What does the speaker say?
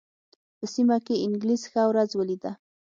په سیمه کې انګلیس ښه ورځ ولېده.